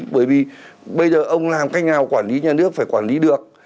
bởi vì bây giờ ông làm cách nào quản lý nhà nước phải quản lý được